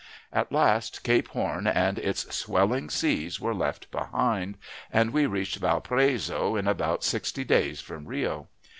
At last Cape Horn and its swelling seas were left behind, and we reached Valparaiso in about sixty days from Rio.